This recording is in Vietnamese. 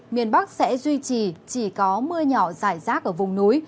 miền bắc sẽ duy trì chỉ có mưa nhỏ rải rác ở vùng núi